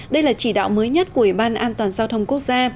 đây là chỉ đạo mới nhất của ủy ban an toàn giao thông quốc gia